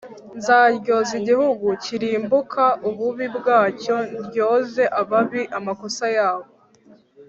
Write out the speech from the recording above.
Nzaryoza igihugu kirumbuka ububi bwacyo ndyoze ababi amakosa yabo